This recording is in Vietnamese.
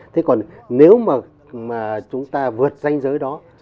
thế còn nếu mà chúng ta vượt danh giới đó